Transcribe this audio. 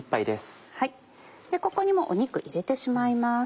ここに肉入れてしまいます。